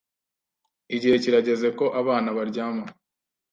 Igihe kirageze ko abana baryama.